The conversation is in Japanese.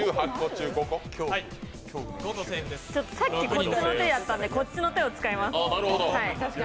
さっきこっちの手だったんでこっちの手使います。